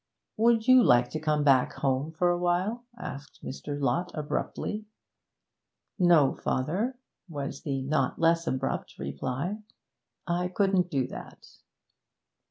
'Would you like to come back home for a while?' asked Mr. Lott abruptly. 'No, father,' was the not less abrupt reply. 'I couldn't do that.'